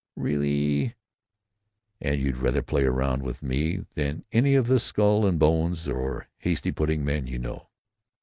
"Really——" "And you'd rather play around with me than any of the Skull and Bones or Hasty Pudding men you know?